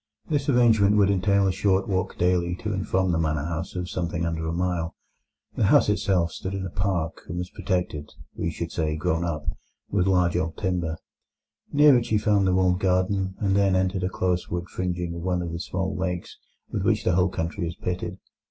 This arrangement would entail a short walk daily to and from the manor house of something under a mile. The house itself stood in a park, and was protected—we should say grown up—with large old timber. Near it you found the walled garden, and then entered a close wood fringing one of the small lakes with which the whole country is pitted.